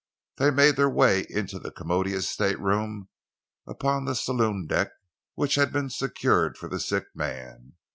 They made their way into the commodious stateroom upon the saloon deck, which had been secured for the sick man.